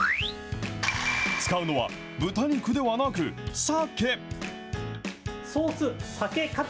使うのは豚肉ではなく、さけ。